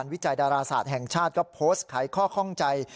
นี่เขาว่าไว้ยังไง